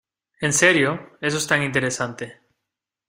¿ En serio? Eso es tan interesante.